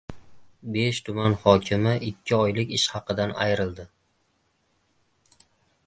Besh tuman hokimi ikki oylik ish haqidan ayrildi